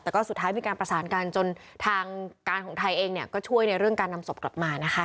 แต่ก็สุดท้ายมีการประสานกันจนทางการของไทยเองเนี่ยก็ช่วยในเรื่องการนำศพกลับมานะคะ